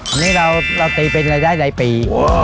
อันนี้เราตีเป็นรายได้รายปี